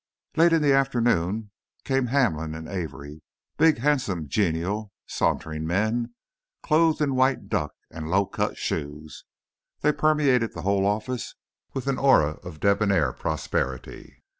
Later, in the afternoon, came Hamlin and Avery, big, handsome, genial, sauntering men, clothed in white duck and low cut shoes. They permeated the whole office with an aura of debonair prosperity.